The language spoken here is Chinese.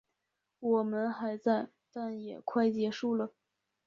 我们还在，但也快结束了